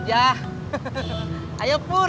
selamat slide benar